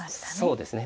そうですね。